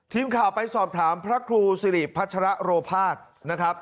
ทีมข่าวไปสอบถามพระครูสิริพัชระโรภาษณ์นะครับ